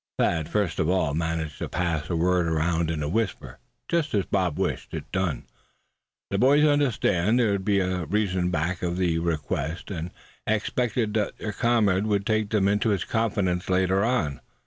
Thad, first of all, managed to pass the word around in a whisper, just as Bob wished it done. The boys understood that there was a reason back of the request, and expected that their comrade would take them into his confidence later on.